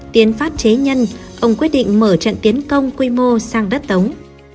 tiến phát chế nhân ông quyết định mở trận tiến công quy mô sang đất tống